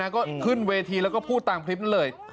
ก็ขึ้นเวทีแล้วก็พูดตามคลิปนั้นเลย